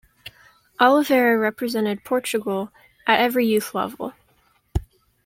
Oliveira represented Portugal at every youth level.